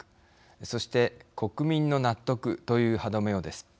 そして国民の納得という歯止めをです。